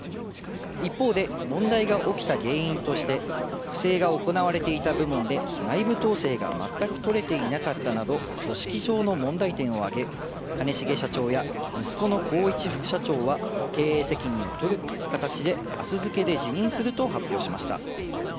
一方で問題が起きた原因として、不正が行われていた部門で内部統制が全く取れていなかったなど、組織上の問題点を挙げ、兼重社長や息子の宏一副社長は経営責任を取る形であす付けで辞任すると発表しました。